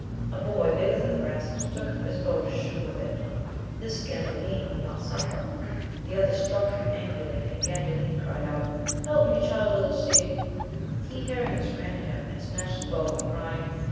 A boy big ger than the rest took up his bow to shoot with it ; this Gandalin would not suffer ; the other struck him angrily, and Gandalin cried out. Help me. Child of the Sea ! He hearing this ran to him, and snatched the bow and crying.